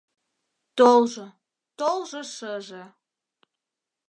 ТОЛЖО, ТОЛЖО ШЫЖЕ